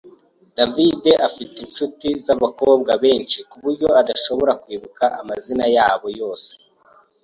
David afite inshuti zabakobwa benshi kuburyo adashobora kwibuka amazina yabo yose.